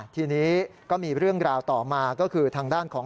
ทีนี้ก็มีเรื่องราวต่อมาก็คือทางด้านของ